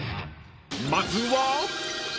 ［まずは］